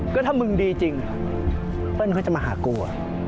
ก็ถ้ามึงดีจริงเปิ้ลเขาจะมาหากู